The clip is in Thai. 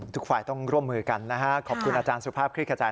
ทุกฝ่ายต้องร่วมมือกันนะฮะขอบคุณอาจารย์สุภาพคลิกขจา